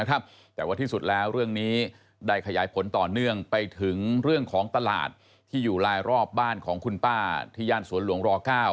แต่ว่าที่สุดแล้วเรื่องนี้ได้ขยายผลต่อเนื่องไปถึงเรื่องของตลาดที่อยู่ลายรอบบ้านของคุณป้าที่ย่านสวนหลวงร๙